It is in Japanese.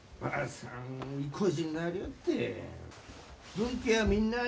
「分家はみんなあ」